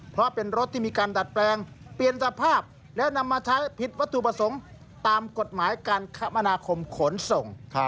เพราะเป็นรถที่มีการดัดแปลงเปลี่ยนสภาพและนำมาใช้ผิดวัตถุประสงค์ตามกฎหมายการคมนาคมขนส่ง